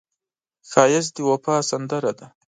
ښایست د وفا سندره ده